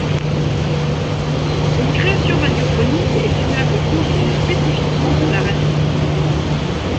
Une création radiophonique est une œuvre conçue spécifiquement pour la radio.